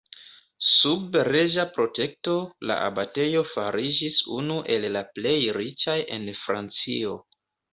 Sub reĝa protekto, la abatejo fariĝis unu el la plej riĉaj en Francio.